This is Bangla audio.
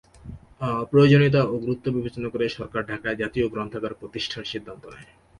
প্রয়োজনীয়তা ও গুরুত্ব বিবেচনা করে সরকার ঢাকায় জাতীয় গ্রন্থাগার প্রতিষ্ঠার সিদ্ধান্ত নেয়।